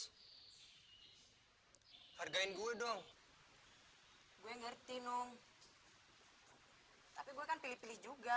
hai hargain gue dong hai gue ngerti nung hai tapi gue kan pilih pilih juga